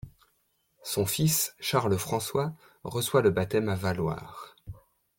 Son fils, Charles-François, reçoit le baptême à Valloire.